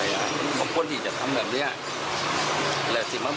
มันเป็นแบบคนห้องมันต้องมิสติด้วยกัน